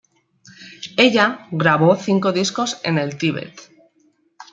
Ella grabó cinco discos en el Tíbet.